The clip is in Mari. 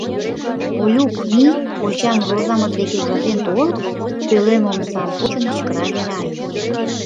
Олюк, мий, кочам Розамыт деке ужатен тол! — пӧлем омсам почын, кычкырале Рая.